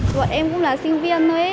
bọn em cũng là sinh viên thôi